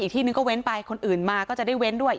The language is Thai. ที่นึงก็เว้นไปคนอื่นมาก็จะได้เว้นด้วย